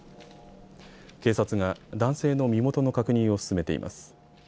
警察が男性の身元の確認を進めています。